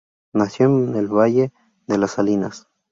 Nació en el Valle de las Salinas.